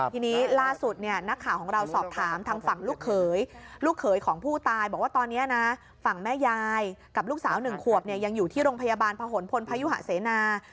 ทีนี้ล่าสุดเนี่ยนักข่าวของเราสอบถามทางฝั่งลูกเขยลูกเขยของผู้ตายบอกว่าตอนนี้นะฝั่งแม่ยายกับลูกสาว๑ขวบเนี่ยยังอยู่ที่โรงพยาบาลพะหนพลพยุหะเสนา